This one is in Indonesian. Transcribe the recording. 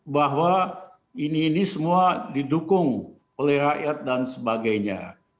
bahwa ini ini semua didukung oleh rakyat dan sebagainya